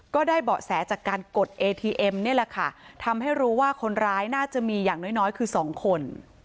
ก็ได้เบาะแสจากการกดเอทีเอ็มนี่แหละค่ะทำให้รู้ว่าคนร้ายน่าจะมีอย่างน้อยน้อยคือสองคน